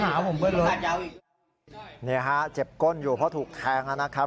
เห็นไหมคะเจ็บก้นอยู่เพราะถูกแทงแล้วนะครับ